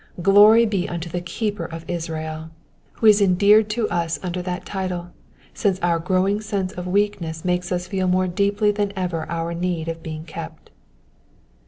Glory be unto the Keeper of Israel, who is endeared to us under that title, since our growing sense of weakness makes us feel more deeply than ever our need of being kept.